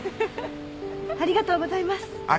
ありがとうございます。